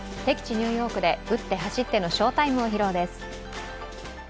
ニューヨークで打って、走っての翔タイムを披露です。